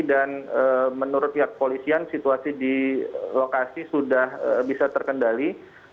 menurut pihak polisian situasi di lokasi sudah bisa terkendali